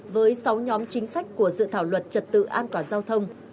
với sáu nhóm chính sách của dự thảo luật trật tự an toàn giao thông